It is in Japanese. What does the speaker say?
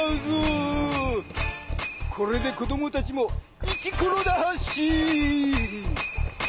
これでこどもたちもイチコロだハシー。